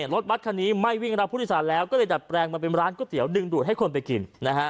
รถบัตรคันนี้ไม่วิ่งรับผู้โดยสารแล้วก็เลยดัดแปลงมาเป็นร้านก๋วยเตี๋ยวดึงดูดให้คนไปกิน